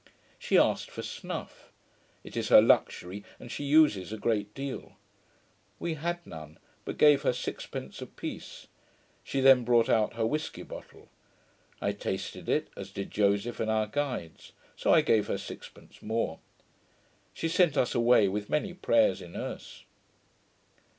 She asked for snuff. It is her luxury, and she uses a great deal. We had none; but gave her six pence a piece. She then brought out her whisky bottle. I tasted it; as did Joseph and our guides: so I gave her sixpence more. She sent us away with many prayers in Erse.